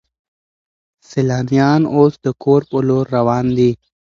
سیلانیان اوس د کور په لور روان دي.